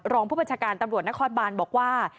รองผู้บัญชาการตำรวจนครบานบอกว่า